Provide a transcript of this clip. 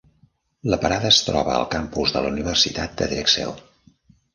La parada es troba al campus de la Universitat de Drexel.